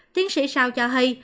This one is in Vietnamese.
tiến sĩ sao cho hay